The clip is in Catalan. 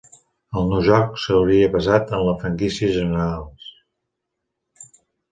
El nou joc s'hauria basat en la franquícia "Generals".